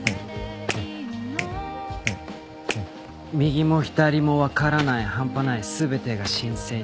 「右も左もわからないハンパない全てが新鮮に」